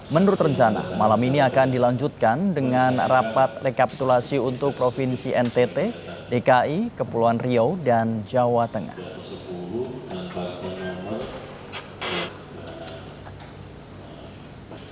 menurut rencana malam ini akan dilanjutkan dengan rapat rekapitulasi untuk provinsi ntt dki kepulauan riau dan jawa tengah